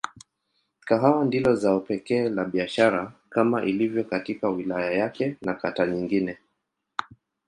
Kahawa ndilo zao pekee la biashara kama ilivyo katika wilaya yake na kata nyingine.